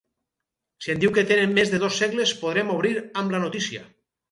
Si em diu que tenen més de dos segles podrem obrir amb la notícia.